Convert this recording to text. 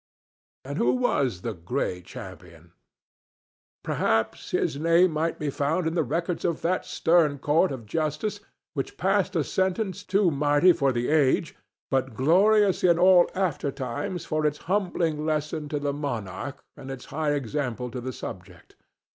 And who was the Gray Champion? Perhaps his name might be found in the records of that stern court of justice which passed a sentence too mighty for the age, but glorious in all after times for its humbling lesson to the monarch and its high example to the subject.